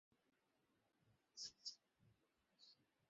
অতঃপর আমাকে বললেন, তুমি আমার পেছনে চলবে এবং রাস্তার নির্দেশনা দেবে।